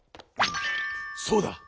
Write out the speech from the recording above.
そうだ。